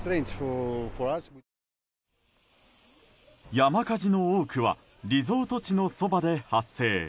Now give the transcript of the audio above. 山火事の多くはリゾート地のそばで発生。